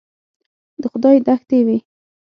د خدای دښتې وې.